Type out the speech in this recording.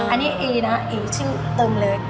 อันนี้เอนะเอ๋ชื่อตึงเลย